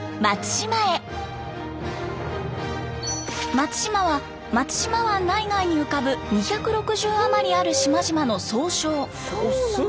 松島は松島湾内外に浮かぶ２６０余りある島々の総称。